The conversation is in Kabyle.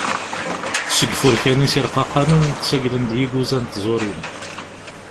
Seg yifurkan-is irqaqanen ttaglen-d yiguza n tẓurin.